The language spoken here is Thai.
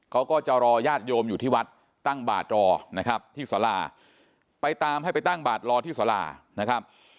เขาก็จะรอยาดโยมอยู่ที่วัดตั้งบาดรอนะครับที่สารา